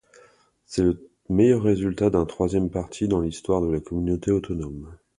C'est le meilleur résultat d'un troisième parti dans l'histoire de la communauté autonome.